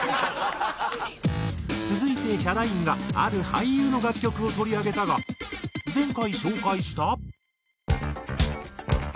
続いてヒャダインがある俳優の楽曲を取り上げたが前回紹介した。